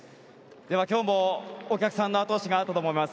今日もお客さんのあと押しがあったと思います。